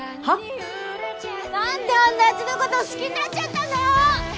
「何であんなやつのこと好きになっちゃったんだろ！」